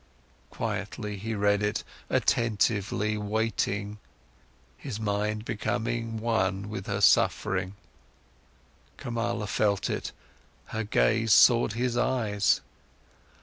Quietly, he read it, attentively, waiting, his mind becoming one with her suffering. Kamala felt it, her gaze sought his eyes.